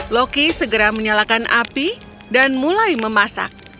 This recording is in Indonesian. loki segera menyalakan api dan mulai memasak